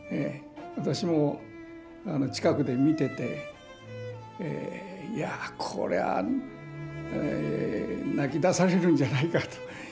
私も近くで見てて「いやこれは泣きだされるんじゃないか」という。